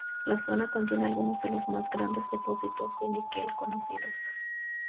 La zona contiene algunos de los más grandes depósitos de níquel conocidos.